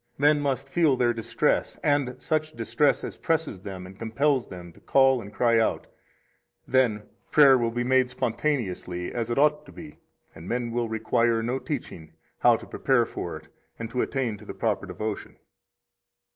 Men must feel their distress, and such distress as presses them and compels them to call and cry out; then prayer will be made spontaneously, as it ought to be, and men will require no teaching how to prepare for it and to attain to the proper devotion.